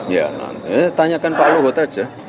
jadi orang toksik itu